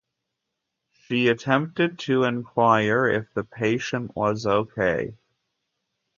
She attempted to inquire if the patient was okay.